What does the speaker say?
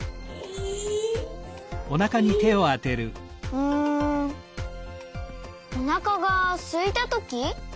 うんおなかがすいたとき？